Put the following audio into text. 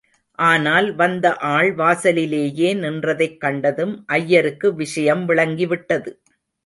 ஆனால் வந்த ஆள் வாசலிலேயே நின்றதைக் கண்டதும் ஐயருக்கு விஷயம் விளங்கிவிட்டது.